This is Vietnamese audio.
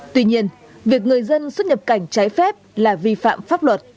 tuy nhiên việc người dân xuất nhập cảnh trái phép là vi phạm pháp luật